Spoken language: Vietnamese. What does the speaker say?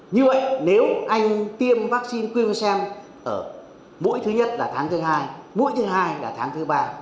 như vậy nếu anh tiêm vaccine queenvacem ở mỗi thứ nhất là tháng thứ hai mỗi thứ hai là tháng thứ ba